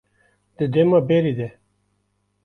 Di dema berê de